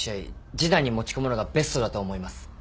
示談に持ち込むのがベストだと思います。